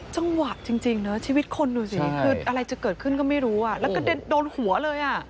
จังหวะจริงนะชีวิตคนดูสิคืออะไรจะเกิดขึ้นก็ไม่รู้อ่ะแล้วก็โดนหัวเลยอ่ะ